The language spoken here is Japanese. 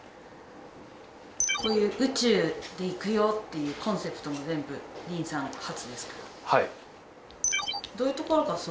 こういう宇宙でいくよっていうコンセプトも全部ディーンさん発ですか？